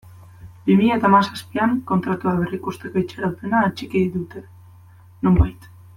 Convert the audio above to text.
Bi mila eta hamazazpian Kontratua berrikusteko itxaropena atxiki dute, nonbait.